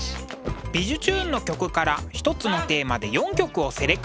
「びじゅチューン！」の曲から一つのテーマで４曲をセレクト。